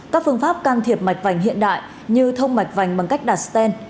các phương pháp can thiệp mạch vành hiện đại như thông mạch vành bằng cách đặt stent